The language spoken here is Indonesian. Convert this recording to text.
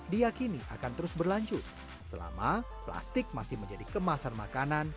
diakini akan terus berlanjut selama plastik masih menjadi kemasan makanan